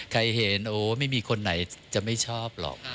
ใครเห็นโอ้ไม่มีคนไหนจะไม่ชอบหรอก